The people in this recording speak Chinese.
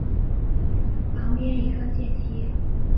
旁边一个阶梯